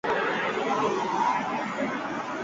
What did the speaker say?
Familiaren eliza bera ere lurraren barnean egina dago.